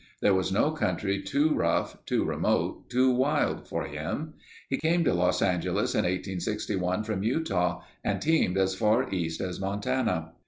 There was no country too rough, too remote, too wild for him. He came to Los Angeles in 1861 from Utah and teamed as far east as Montana.